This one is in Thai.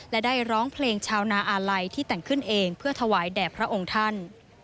และได้ร้องเพลงชาวนาอาลัยที่แต่งขึ้นเองเพื่อถวายแด่พระองค์ท่าน